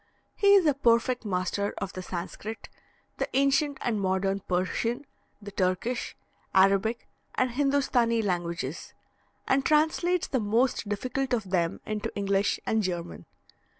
He is a perfect master of the Sanscrit, the ancient and modern Persian, the Turkish, Arabic, and Hindostanee languages, and translates the most difficult of them into English and German.